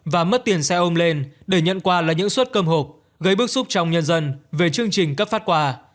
và mất tiền xe ôm lên để nhận quà là những suất cơm hộp gây bức xúc trong nhân dân về chương trình cấp phát quà